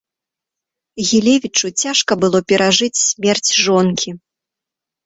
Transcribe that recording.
Гілевічу цяжка было перажыць смерць жонкі.